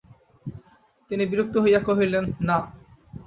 তিনি বিরক্ত হইয়া কহিলেন, না!